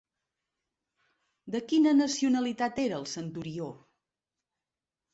De quina nacionalitat era el Centurió?